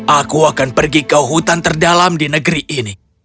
aku akan pergi ke hutan terdalam di negeri ini